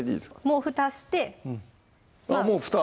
もうふたしてあっもうふた？